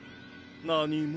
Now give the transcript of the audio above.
何も。